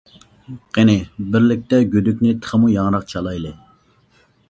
قېنى بىرلىكتە گۈدۈكنى تېخىمۇ ياڭراق چالايلى!